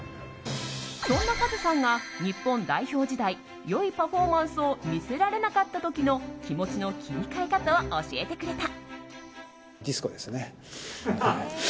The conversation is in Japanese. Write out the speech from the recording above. そんなカズさんが日本代表時代良いパフォーマンスを見せられなかった時の気持ちの切り替え方を教えてくれた。